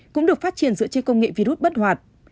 cũng được phát triển dựa trên công nghệ virus bất hoạt